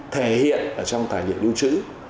thể hiện trong tài liệu liêu chữ